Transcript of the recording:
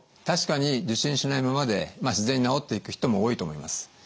確かに受診しないままで自然に治っていく人も多いと思います。